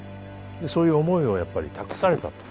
そういう思いをやっぱり託されたと。